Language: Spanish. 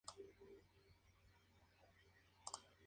Se distribuye por China, Corea, Mongolia.